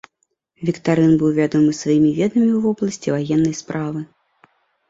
Віктарын быў вядомы сваімі ведамі ў вобласці ваеннай справы.